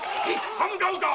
刃向かうか！